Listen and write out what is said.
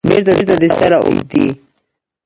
بیرته د سره اوبدي